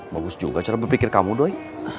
bagus juga cara berpikir kamu doy